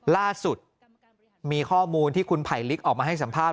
ล่าสุดมีข้อมูลที่คุณไผลลิกออกมาให้สัมภาษ